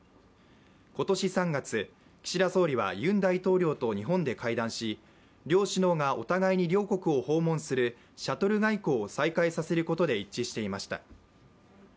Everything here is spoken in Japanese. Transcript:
今年３月、岸田総理はユン大統領と日本で会談し両首脳がお互いに両国を訪問するシャトル外交を再開させることで一致していました。